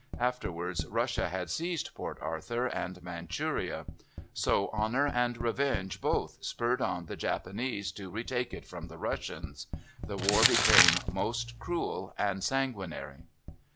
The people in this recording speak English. Afterwards Russia had seized Port Arthur and Manchuria. So honour and revenge both spurred on the Japanese to retake it from the Russians. The war became most cruel and sanguinary.